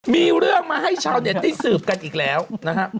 มีเรื่องมาให้ชาวเน็ตได้สืบกันอีกแล้วนะฮะ